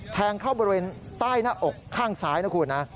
แทงเข้าบริเวณใต้หน้าอกข้างซ้ายนะคุณนะ